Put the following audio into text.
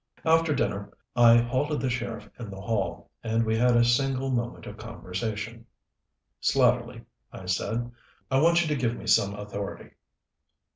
After dinner I halted the sheriff in the hall, and we had a single moment of conversation. "Slatterly," I said, "I want you to give me some authority."